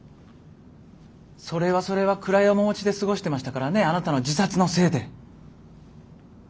それはそれは暗い面持ちで過ごしてましたからねあなたの自殺のせいで。